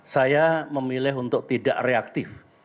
saya memilih untuk tidak reaktif